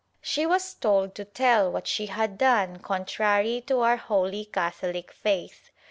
She was told to tell what she had done contrary to our holy Catholic faith.